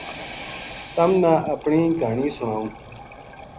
تَم نا اپنی گہانی سناؤں